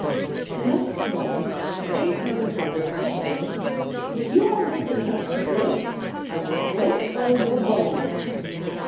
The next moment they heard a voice say: "If you are wicked enough to do it, I will break all your bones."